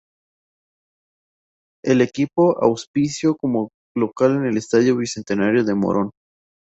El equipo auspició como local en el Estadio Bicentenario de Morón.